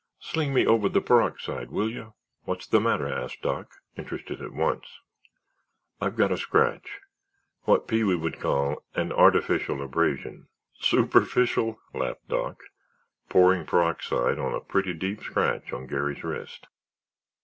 "Sling me over the peroxide, will you!" "What's the matter?" asked Doc, interested at once. "I've got a scratch. What Pee wee would call an artificial abrasion." "Superficial?" laughed Doc, pouring peroxide on a pretty deep scratch on Garry's wrist.